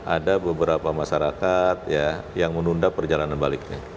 ada beberapa masyarakat yang menunda perjalanan baliknya